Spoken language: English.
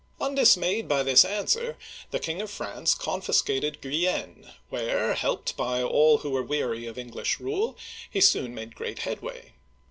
Undismayed by this answer, the King of France confis cated Guienne, where, helped by all those who were weary of English rule, he soon made great headway.